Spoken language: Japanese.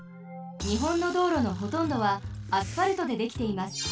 日本の道路のほとんどはアスファルトでできています。